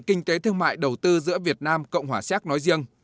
kinh tế thương mại đầu tư giữa việt nam cộng hòa xéc nói riêng